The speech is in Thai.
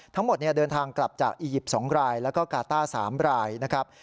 เดินทางกลับจากอียิปต์๒รายแล้วก็กาต้า๓รายนะครับ